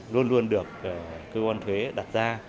luôn luôn được cơ quan thuế đặt ra